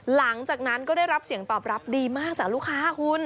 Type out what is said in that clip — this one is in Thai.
หลังจากนั้นก็ได้รับเสียงตอบรับดีมากจากลูกค้าคุณ